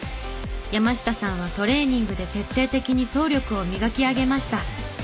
山下さんはトレーニングで徹底的に走力を磨き上げました。